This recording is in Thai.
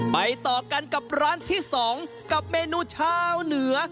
ไปต่อกันกับร้านที่๒กับเมนูชาวเหนือ